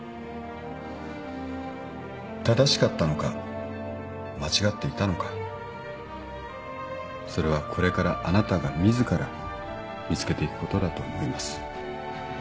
正しかったのか間違っていたのかそれはこれからあなたが自ら見つけていくことだと思います。